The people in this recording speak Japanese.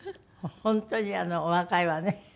本当にお若いわね。